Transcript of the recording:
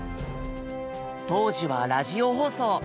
当時はラジオ放送。